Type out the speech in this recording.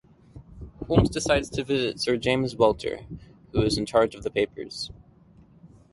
Holmes decides to visit Sir James Walter, who was in charge of the papers.